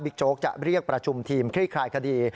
โจ๊กจะเรียกประชุมทีมคลี่คลายคดี